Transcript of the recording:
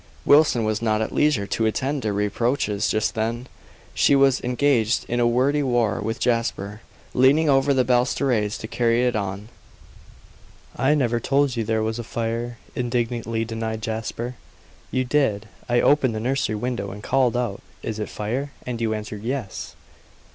Wilson was not at leisure to attend to reproaches just then. She was engaged in a wordy war with Jasper, leaning over the balustrades to carry it on. "I never told you there was a fire!" indignantly denied Jasper. "You did. I opened the nursery window and called out 'Is it fire?' and you answered 'Yes.